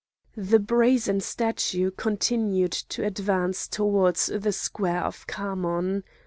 The brazen statue continued to advance towards the square of Khamon.